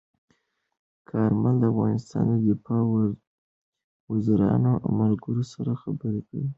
کارمل د افغانستان د دفاع وزیرانو او ملګرو سره خبرې کړي.